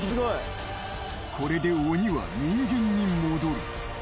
これで鬼は人間に戻る。